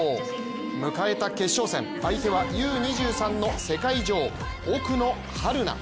迎えた決勝戦、相手はＵ−２３の世界女王・奥野春菜。